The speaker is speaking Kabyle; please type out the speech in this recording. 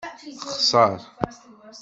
Texṣeṛ.